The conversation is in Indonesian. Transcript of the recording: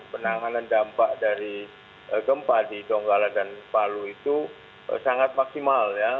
penanganan dampak dari gempa di donggala dan palu itu sangat maksimal ya